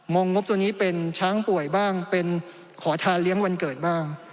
งงบตัวนี้เป็นช้างป่วยบ้างเป็นขอทานเลี้ยงวันเกิดบ้าง